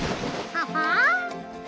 ハハ？